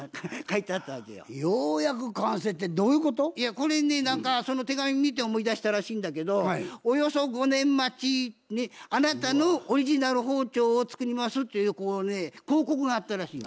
これねその手紙見て思い出したらしいんだけど「およそ５年待ちあなたのオリジナル包丁を作ります」っていう広告があったらしいの。